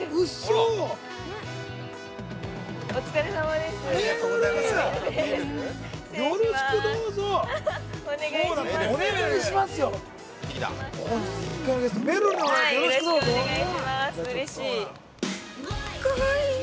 うれしい。